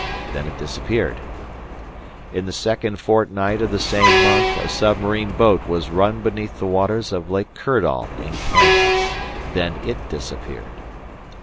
Then it disappeared. "In the second fortnight of the same month, a submarine boat was run beneath the waters of Lake Kirdall, in Kansas. Then it disappeared.